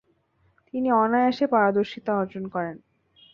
তিনি অনায়াসে পারদর্শিতা অর্জন করেন।